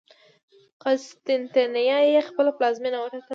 قسطنطنیه یې خپله پلازمېنه وټاکله.